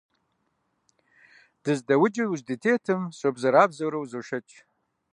Дыздэуджу дыздытетым собзэрабзэурэ узошэкӀ.